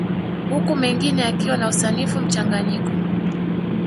Huku mengine yakiwa na usanifu mchanganyiko